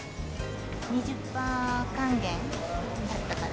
２０パー還元だったから。